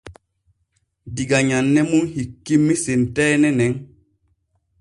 Diga nyanne mun hikkimmi senteene nen.